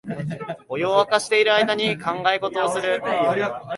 お湯をわかしてる間に考え事をする